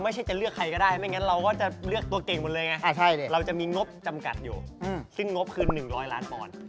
จะเลือกใครก็ได้ไม่งั้นเราก็จะเลือกตัวเก่งหมดเลยไงเราจะมีงบจำกัดอยู่ซึ่งงบคือ๑๐๐ล้านปอนด์